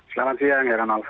selamat siang ya ramal